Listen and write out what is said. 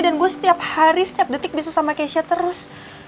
dan gue setiap hari setiap detik bisa sama kesha terus